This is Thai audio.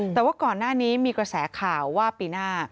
แต่ว่าก่อนหน้านี้มีกระแสข่าวว่าปีหน้า